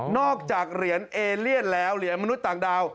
จากเหรียญเอเลียนแล้วเหรียญมนุษย์ต่างดาว